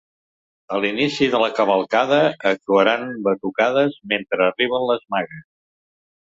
A l’inici de la cavalcada actuaran batucades mentre arriben les magues.